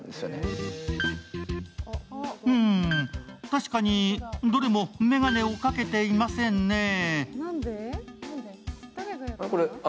確かにどれも眼鏡をかけていませんねぇ。